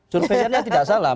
survei nya tidak salah